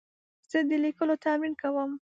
زه د لیکلو تمرین کوم.